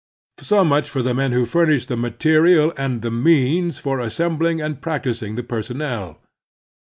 So much for the men who furnished the material and the means for assembling and practising the personnel.